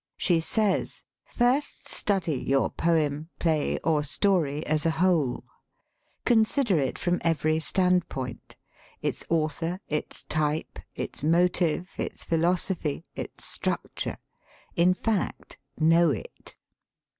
She says, " First study your poem, play, or story as a whole. Con sider it from every standpoint: its author, its type, its motive, its philosophy, its struct ure in fact, know it.